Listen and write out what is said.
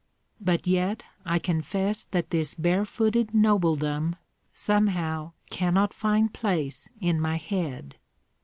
but yet I confess that this barefooted nobledom somehow cannot find place in my head.